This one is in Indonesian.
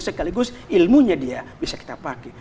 sekaligus ilmunya dia bisa kita pakai